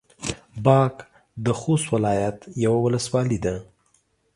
باک د خوست ولايت يوه ولسوالي ده.